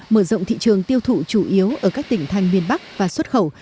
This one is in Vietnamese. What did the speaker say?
mở rộng thị trường tiêu thụ chủ yếu ở các tỉnh thành miền bắc và xuất khẩu